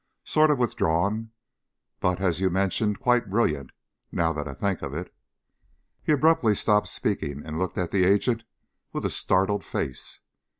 "Sort of withdrawn but, as you mentioned, quite brilliant. Now that I think of it " He abruptly stopped speaking and looked at the agent with a startled face.